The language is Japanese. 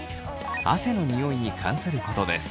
汗のニオイに関することです。